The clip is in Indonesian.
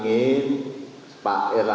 kita harus menjaga kepentingan